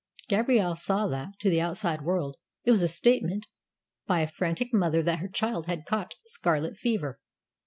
Gabrielle saw that, to the outside world, it was a statement by a frantic mother that her child had caught scarlet fever.